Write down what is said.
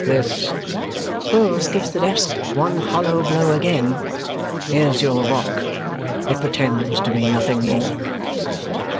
This," Vholes gives the desk one hollow blow again, "is your rock; it pretends to be nothing more."